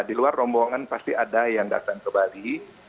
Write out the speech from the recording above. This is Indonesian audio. di luar rombongan pasti ada yang datang ke bali